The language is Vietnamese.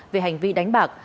về hành vi đánh bạc